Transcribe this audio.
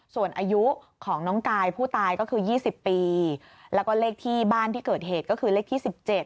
ส่วนอายุของน้องกายผู้ตายก็คือ๒๐ปีแล้วก็เลขที่บ้านที่เกิดเหตุก็คือเลขที่๑๗